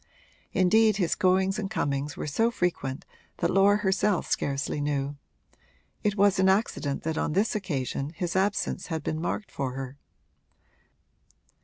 Indeed his goings and comings were so frequent that Laura herself scarcely knew: it was an accident that on this occasion his absence had been marked for her.